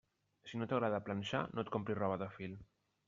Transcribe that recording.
Si no t'agrada planxar, no et compris roba de fil.